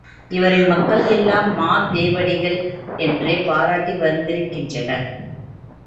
இவரை மக்கள் எல்லாம் மாதேவடிகள் என்றே பாராட்டி வந்திருக்கின்றனர்.